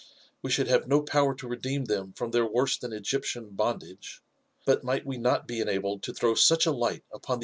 We should have no power to redeem them from their worse than Egyptian bondage ; but might we not be enabled to throw such a light upon the.